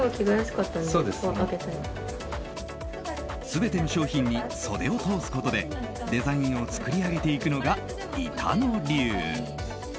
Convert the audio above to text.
全ての商品に袖を通すことでデザインを作り上げていくのが板野流。